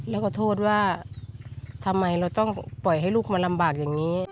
แล้วก็โทษว่าทำไมเราต้องปล่อยให้ลูกมาลำบากอย่างนี้